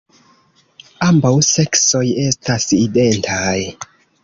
Ambaŭ seksoj estas identaj.